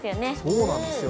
そうなんですよ。